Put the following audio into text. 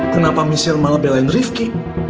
kenapa misir malah belain rifki